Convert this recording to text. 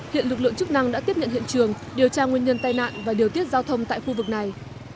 hiện lực lượng chức năng đã tiếp nhận hiện trường điều tra nguyên nhân tai nạn và điều tiết giao thông tại khu vực này